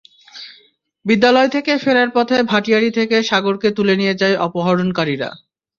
বিদ্যালয় থেকে ফেরার পথে ভাটিয়ারী থেকে সাগরকে তুলে নিয়ে যায় অপহরণকারীরা।